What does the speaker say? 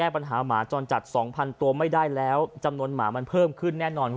พรรณสี่พันตัวไม่ได้แล้วจำนวนหมามันเพิ่มขึ้นแน่นอนครับ